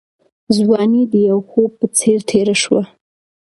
ځواني د یو خوب په څېر تېره شوه.